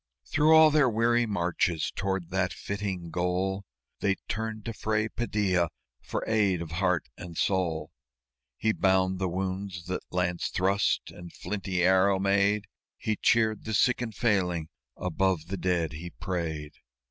Through all their weary marches toward that flitting goal They turned to Fray Padilla for aid of heart and soul. He bound the wounds that lance thrust and flinty arrow made; He cheered the sick and failing; above the dead he prayed.